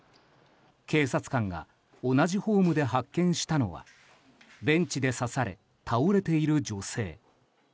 警察官が同じホームで発見したのはベンチで刺され倒れている女性。